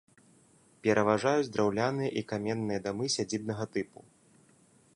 Пераважаюць драўляныя і каменныя дамы сядзібнага тыпу.